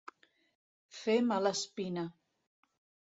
Fer mala espina.